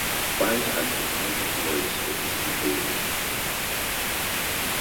Bunch has been a major voice for this campaign.